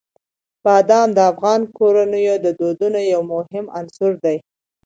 بادام د افغان کورنیو د دودونو یو مهم عنصر دی.